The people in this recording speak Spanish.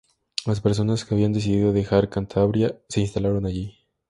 Las personas que habían decidido dejar Cantabria se instalaron allí.